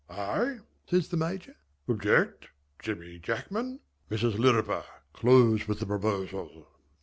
"I?" says the Major. "Object? Jemmy Jackman? Mrs. Lirriper close with the proposal."